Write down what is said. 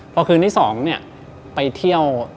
พอคืนที่๒ไปเที่ยว